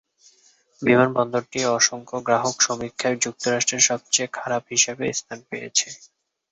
বিমানবন্দরটি অসংখ্য গ্রাহক সমীক্ষায় যুক্তরাষ্ট্রে সবচেয়ে খারাপ হিসাবে স্থান পেয়েছে।